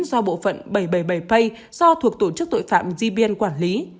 do bộ phận bảy trăm bảy mươi bảy pay do thuộc tổ chức tội phạm gb quản lý